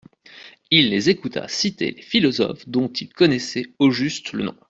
Il les écouta citer les philosophes dont il connaissait au juste le nom.